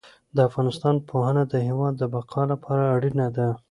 د افغانستان پوهنه د هېواد د بقا لپاره اړینه ده.